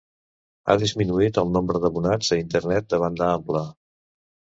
Ha disminuït el nombre d'abonats a Internet de banda ampla.